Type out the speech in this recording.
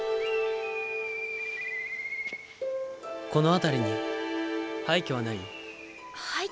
この辺りに廃虚はない？